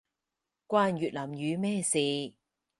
關越南語咩事